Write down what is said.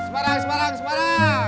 semarang semarang semarang